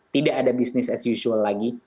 tidak ada business as usual lagi